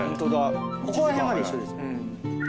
ここら辺まで一緒です。